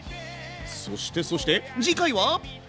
そしてそして次回は？